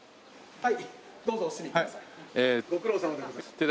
はい。